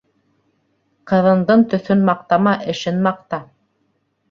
Ҡыҙындың төҫөн маҡтама, эшен маҡта.